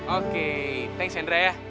oke thanks andra ya